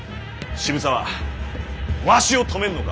渋沢わしを止めんのか？